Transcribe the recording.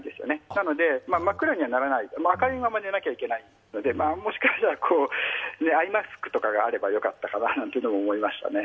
なので真っ暗にはならない、明るいまま寝なきゃいけないのでもしかしたら、アイマスクとかがあればよかったかななんて思いましたね。